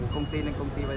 không đem đầy